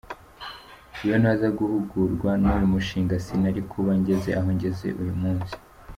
Iyo ntaza guhugurwa n’uyu mushinga sinari kuba ngeze aho ngeze uyu munsi.